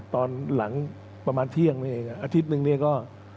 ตอนหลังประมาณเที่ยงนี่เองอาทิตย์นึงเนี่ยก็